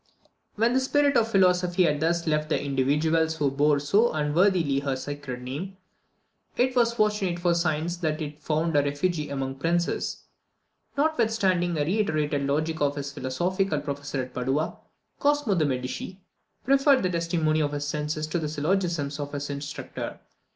When the spirit of philosophy had thus left the individuals who bore so unworthily her sacred name, it was fortunate for science that it found a refuge among princes. Notwithstanding the reiterated logic of his philosophical professor at Padua, Cosmo de Medici preferred the testimony of his senses to the syllogisms of his instructor.